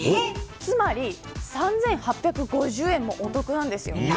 つまり３８５０円もお得なんです。